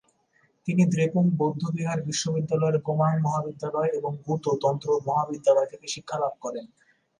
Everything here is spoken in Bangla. তিনি দ্রেপুং বৌদ্ধবিহার বিশ্ববিদ্যালয়ের গোমাং মহাবিদ্যালয় এবং গ্যুতো তন্ত্র মহাবিদ্যালয় থেকে শিক্ষালাভ করেন।